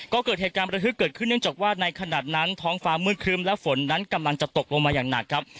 ก็เกิดเหตุการณ์ประทึกเกิดขึ้นเนื่องจากว่าในขณะนั้นท้องฟ้ามืดครึ้มและฝนนั้นกำลังจะตกลงมาอย่างหนักครับ